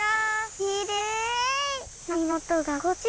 きれい！